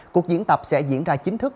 cuộc diễn tập sẽ diễn ra chính thức